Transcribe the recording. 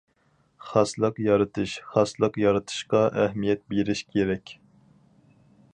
خاسلىق يارىتىش خاسلىق يارىتىشقا ئەھمىيەت بېرىش كېرەك.